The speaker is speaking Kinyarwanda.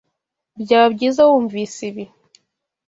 Byaba byiza wunvise ibi.